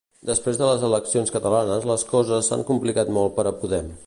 Després de les eleccions catalanes les coses s'han complicat molt per a Podem.